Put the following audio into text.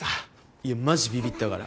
いやマジびびったから。